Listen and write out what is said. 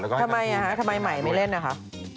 ทำไมไหมไม่เล่นอ่ะคะ